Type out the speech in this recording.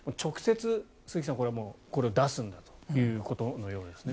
鈴木さん、直接これは出すんだということのようですね。